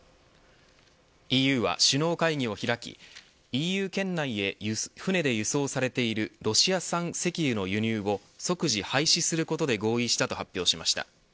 ＥＵは首脳会議を開きＥＵ圏内へ船で輸送されているロシア産石油の輸入を即時廃止することで合意したと発表しました。